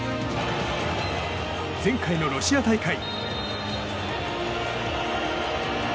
前回のロシア大会。